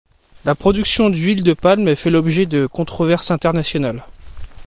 La production d'huile de palme fait l'objet de controverses internationales.